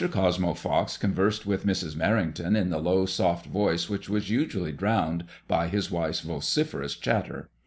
Cosmo Fox conversed with Mrs. Uerrington in the low soft voice which was usually drowned by his wife's vociferous chatter.